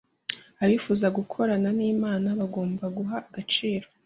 Abifuza gukorana n’Imana bagomba guha agaciro